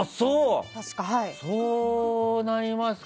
そうなりますか。